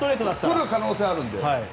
来る可能性があるので。